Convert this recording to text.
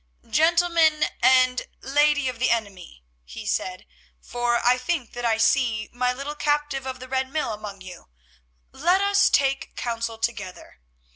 "Gentlemen and lady of the enemy," he said, "for I think that I see my little captive of the Red Mill among you, let us take counsel together.